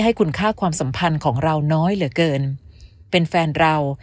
ให้คุณค่าความสัมพันธ์ของเราน้อยเหลือเกินเป็นแฟนเรา